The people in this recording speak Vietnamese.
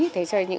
thế cho những